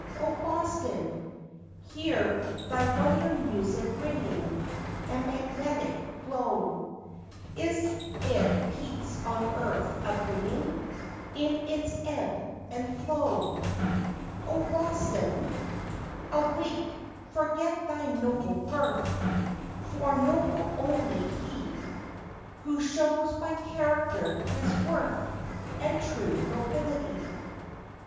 0 Boston! Hear thy wonder music ringing, A magnetic glow, Is it peace on earth a bringing In its ebb and flow? 0 Boston! Awake, forget thy noble birth, For noble only he Who shows by character his worth And true nobility.